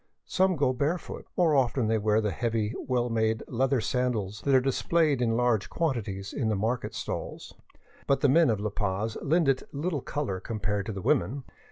Some go barefoot; more often they wear the heavy, well made leather sandals that are displayed in large quantities in the market stalls. But the men of La Paz lend it little color compared to the women.